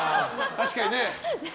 確かにね。